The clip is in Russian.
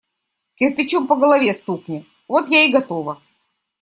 Кирпичом по голове стукни – вот я и готова.